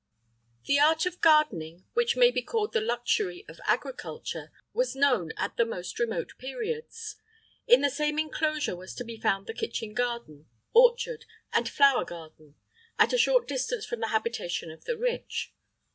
The art of gardening, which may be called the luxury of agriculture,[IX 1] was known at the most remote periods.[IX 2] In the same inclosure was to be found the kitchen garden, orchard, and flower garden,[IX 3] at a short distance from the habitation of the rich.